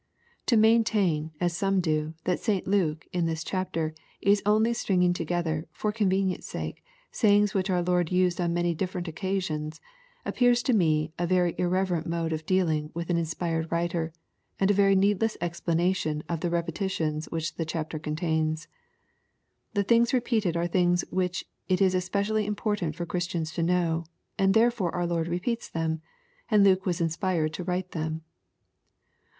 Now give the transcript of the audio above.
To maintain, as some do, that St. Luke, in this chapter, is only stringing together, for convenience sake, sayings which our Lord used on many differ ent occasions, appears to me a very irreverent mode of deahng with an inspired writing, and a very needless explanation of the repetitions which the chapter contains. The things repeated are things which it is especially important for Christians to know, and therefore our Lord repeats them, and Luke was inspired to write them.